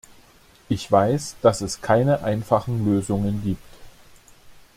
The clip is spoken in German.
Ich weiß, dass es keine einfachen Lösungen gibt.